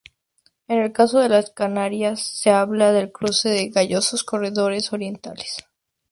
En el caso de las Canarias, se habla del cruce con gallos corredores orientales.